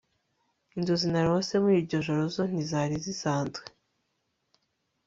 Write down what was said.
inzozi narose muriryo joro zo ntizari zisanzwe